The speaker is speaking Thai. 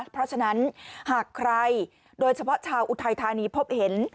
เพราะฉะนั้นหากใครโดยเฉพาะชาวอุทัยธานีพบเห็น